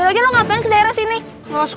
bahkan sampe sekarang aku